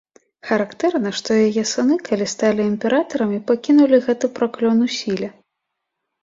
Характэрна, што яе сыны, калі сталі імператарамі, пакінулі гэты праклён у сіле.